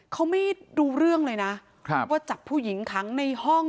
เขาไม่รู้เรื่องเลยนะว่าจับผู้หญิงขังในห้อง